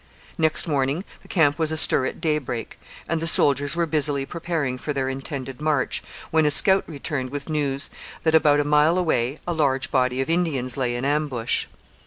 Next morning the camp was astir at daybreak, and the soldiers were busily preparing for their intended march, when a scout returned with news that, about a mile away, a large body of Indians lay in ambush.